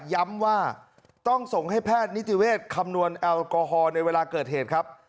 ย้ำว่าต้องส่งให้แพทย์นิติเวศคำนวณแอลกอฮอล์ในเวลาเกิดเหตุครับ